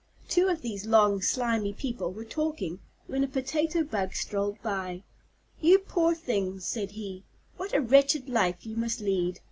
Two of these long, slimy people were talking, when a Potato Bug strolled by. "You poor things," said he, "what a wretched life you must lead.